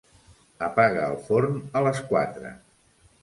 Apaga el forn a les quatre.